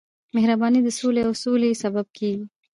مهرباني د سولې او سولې سبب کېږي.